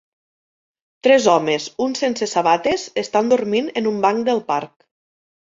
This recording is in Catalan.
Tres homes, un sense sabates, estan dormint en un banc del parc.